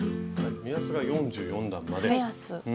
目安が４４段までと。